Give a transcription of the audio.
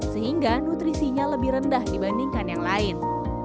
sehingga nutrisinya lebih rendah dibandingkan yang lain